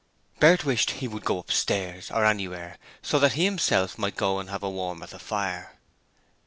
Bert wished he would go upstairs, or anywhere, so that he himself might go and have a warm at the fire.